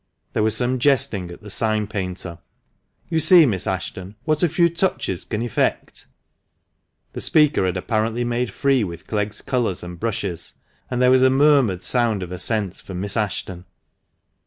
There was some jesting at the sign painter. "You see, Miss Ashton, what a few touches can effect!" The speaker had apparently made free with Clegg's colours and brushes, and there was a murmured sound of assent from Miss Ashton.